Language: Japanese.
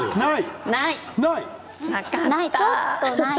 ない。